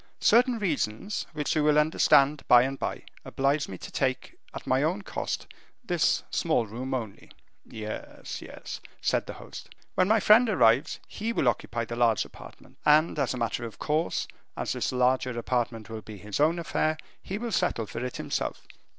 "Certain reasons, which you will understand by and by, oblige me to take, at my own cost, this small room only." "Yes, yes," said the host. "When my friend arrives, he will occupy the large apartment: and as a matter of course, as this larger apartment will be his own affair, he will settle for it himself."